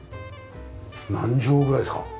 何畳ぐらいですか？